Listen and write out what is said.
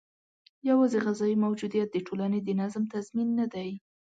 یوازې غذايي موجودیت د ټولنې د نظم تضمین نه دی.